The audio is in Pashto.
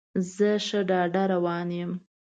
زه ښه ډاډه روان یم.